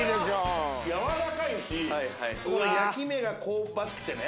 やわらかいし焼き目が香ばしくてね